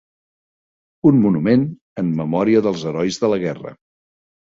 Un monument en memòria dels herois de la guerra.